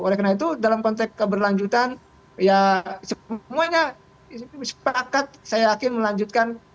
oleh karena itu dalam konteks keberlanjutan ya semuanya sepakat saya yakin melanjutkan